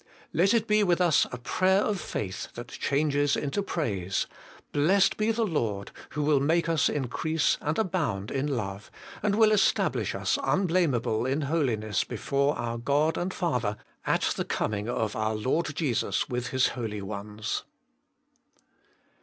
Let it be with us a prayer of faith that changes into praise: Blessed be the Lord, who will make us increase and abound in love, and will establish us unblameable in holiness before our God and Father, at the coming of our Lord Jesus with His holy ones.